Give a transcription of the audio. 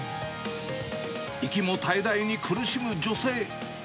息も絶え絶えに苦しむ女性。